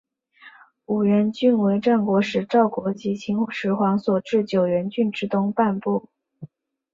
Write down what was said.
五原郡为战国时赵国及秦始皇所置九原郡之东半部。